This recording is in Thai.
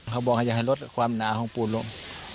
เขาบอกให้ลดความหนาของปูนลง